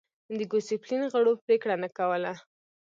د ګوسپلین غړو پرېکړه نه کوله